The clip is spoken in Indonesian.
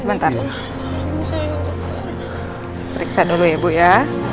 periksa dulu ya ibu ya